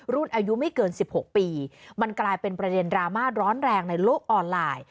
อายุไม่เกิน๑๖ปีมันกลายเป็นประเด็นดราม่าร้อนแรงในโลกออนไลน์